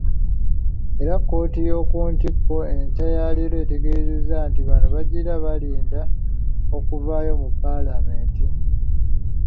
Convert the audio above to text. Era kkooti ey'okuntikko enkya yaleero etegeezezza nti bano bagira balinda okuvaayo mu Paalamenti.